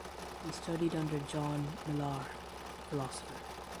He studied under John Millar (philosopher).